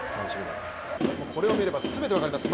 これを見れば全て分かります